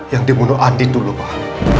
yang dibunuh andi dulu pak